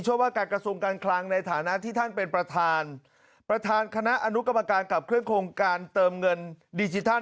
ว่าการกระทรวงการคลังในฐานะที่ท่านเป็นประธานประธานคณะอนุกรรมการขับเคลื่อโครงการเติมเงินดิจิทัล